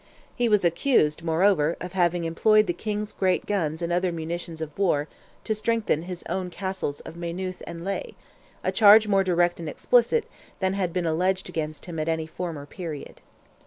He was accused, moreover, of having employed the King's great guns and other munitions of war to strengthen his own Castles of Maynooth and Ley—a charge more direct and explicit than had been alleged against him at any former period.